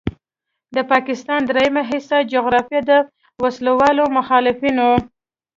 د پاکستان دریمه حصه جغرافیه د وسلوالو مخالفینو